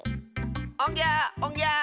おんぎゃおんぎゃ！